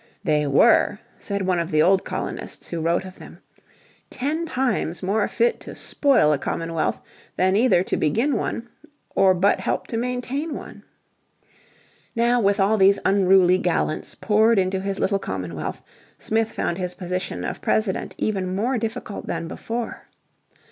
"They were," said one of the old colonists who wrote of them, "ten times more fit to spoil a Commonwealth than either to begin one or but help to maintain one." Now with all these "unruly gallants" poured into his little commonwealth Smith found his position of President even more difficult than before.